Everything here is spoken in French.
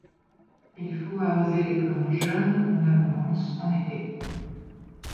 Il faut arroser les plantes jeunes en abondance en été.